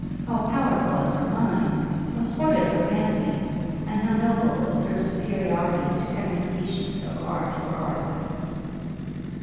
how powerful is her mind! how sportive her fancy! and how noble is her superiority to every species of art or artifice!'